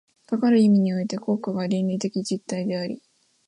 かかる意味において国家が倫理的実体であり、